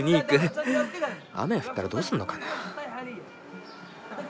雨が降ったらどうするのかな？